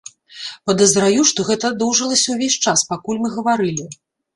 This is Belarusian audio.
Падазраю, што гэта доўжылася ўвесь час, пакуль мы гаварылі.